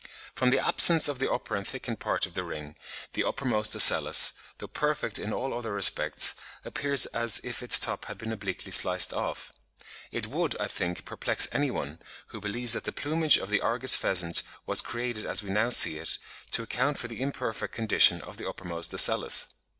From the absence of the upper and thickened part of the ring, the uppermost ocellus, though perfect in all other respects, appears as if its top had been obliquely sliced off. It would, I think, perplex any one, who believes that the plumage of the Argus pheasant was created as we now see it, to account for the imperfect condition of the uppermost ocellus.